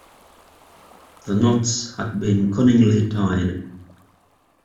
The knots had been cunningly tied.